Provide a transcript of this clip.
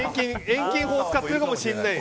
遠近法を使っているかもしれない。